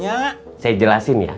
saya jelasin ya